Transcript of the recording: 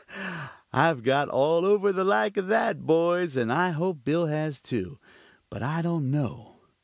I've got over the like of that, boys, and I hope Bill has, too, but I don't know.